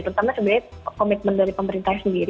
terutama sebenarnya komitmen dari pemerintah sendiri